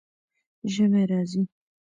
ژمی راځي